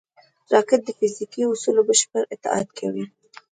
راکټ د فزیکي اصولو بشپړ اطاعت کوي